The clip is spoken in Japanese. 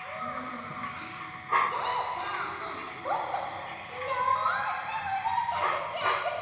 あっじゃあさもっといろんなものをさそってあそぼうよ。